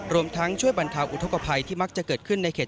รวมทั้งช่วยบรรเทาอุทธกภัยที่มักจะเกิดขึ้นในเขต